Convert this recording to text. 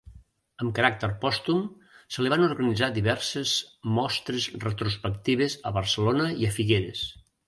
Amb caràcter pòstum se li van organitzar diverses mostres retrospectives a Barcelona i a Figueres.